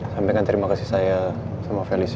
sampaikan terima kasih saya sama felis ya